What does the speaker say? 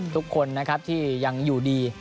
ทุกคนนะครับที่ยังอยู่ดี